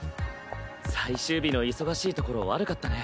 最終日の忙しいところ悪かったね。